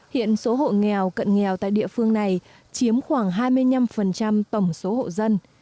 hiện số hộ nghèo cận nghèo tại địa phương này chiếm khoảng hai mươi năm tổng số hộ dân